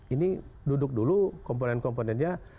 ini duduk dulu komponen komponennya